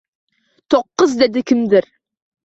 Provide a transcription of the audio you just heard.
To`qqiz dedi kimdir